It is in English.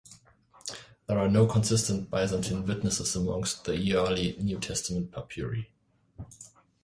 There are no consistent Byzantine witnesses amongst the early New Testament papyri.